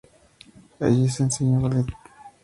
Allí se le enseñó ballet.